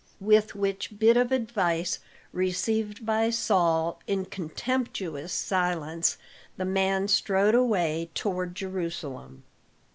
With which bit of advice, received by Saul in contemptuous silence, the man strode away toward Jerusalem.